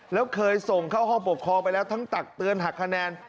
แล้วเคยส่งเข้าห้องปกครองไปแล้วทั้งตักเตือนหักคะแนน